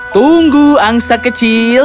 tunggu angsa kecil